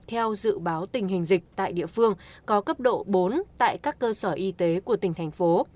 theo dự báo tình hình dịch tại địa phương có cấp độ bốn tại các cơ sở y tế của tỉnh thành phố